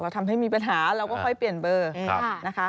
ทำให้มีปัญหาเราก็ค่อยเปลี่ยนเบอร์นะคะ